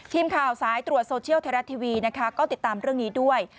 ทีมข่าวสายตรวจโซเชียลไทยรัฐทีวีนะคะก็ติดตามเรื่องนี้ด้วย